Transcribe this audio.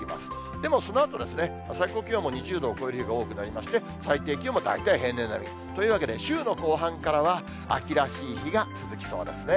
でもそのあと、最高気温も２０度を超える日が多くなりまして、最低気温も大体平年並みというわけで、週の後半からは、秋らしい日が続きそうですね。